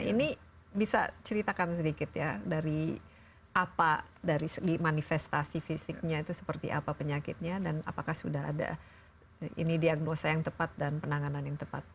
ini bisa ceritakan sedikit ya dari apa dari segi manifestasi fisiknya itu seperti apa penyakitnya dan apakah sudah ada ini diagnosa yang tepat dan penanganan yang tepat